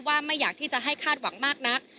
ไม่อยากที่จะให้คาดหวังมากนัก